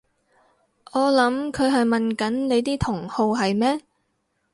我諗佢係問緊你啲同好係咩？